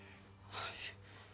いえ。